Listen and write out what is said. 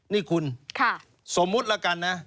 นี่คุณสมมุติละกันนะ